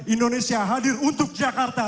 indonesia hadir untuk jakarta